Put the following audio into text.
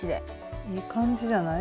いい感じじゃない？